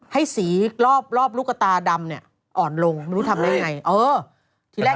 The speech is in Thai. ให้สีรอบลูกตาดำเนี่ยอ่อนลงไม่รู้ทำได้ยังไงเออ